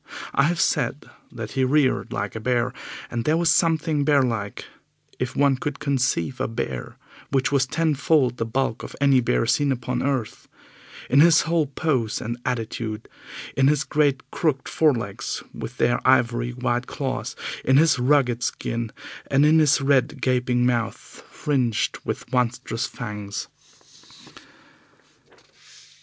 I have said that he reared like a bear, and there was something bear like if one could conceive a bear which was ten fold the bulk of any bear seen upon earth in his whole pose and attitude, in his great crooked forelegs with their ivory white claws, in his rugged skin, and in his red, gaping mouth, fringed with monstrous fangs.